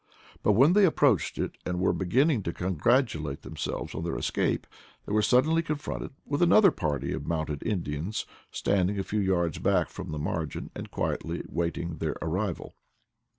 But when they approached it and were beginning to congratulate themselves on their escape, they were suddenly confronted with another party of mounted Indians, standing a few yards back from the margin and quietly waiting their arrival.